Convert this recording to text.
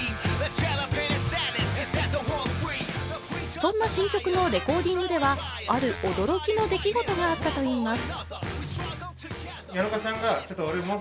そんな新曲のレコーディングではある驚きの出来事があったといいます。